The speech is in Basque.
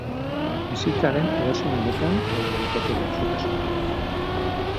Bizitzaren edozein unetan ager daiteke gaixotasun hau.